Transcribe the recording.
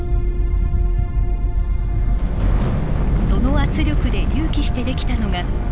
その圧力で隆起して出来たのが